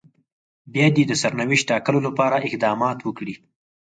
بيا دې د سرنوشت ټاکلو لپاره اقدامات وکړي.